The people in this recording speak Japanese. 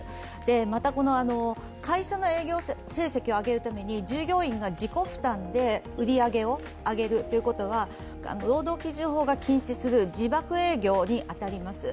また、会社の営業成績を上げるために従業員が自己負担で売り上げを上げるということは、労働基準法が禁止する、じばく営業にかかります。